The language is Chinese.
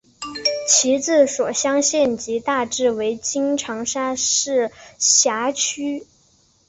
其治所湘县即大致为今长沙市辖区。